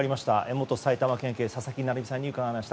元埼玉県警、佐々木成三さんにお話を伺いました。